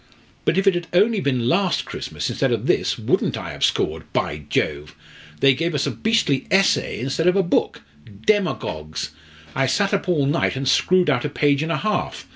But if it had only been last Christmas instead of this, wouldn't I have scored by Jove! They gave us a beastly essay instead of a book. Demagogues!' I sat up all night, and screwed out a page and a half.